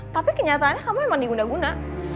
tapi kenyataannya kamu emang di guna guna